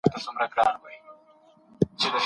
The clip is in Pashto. آیا دا څانګي په یوه ټاکلې محدوده کي حرکت کولای سي؟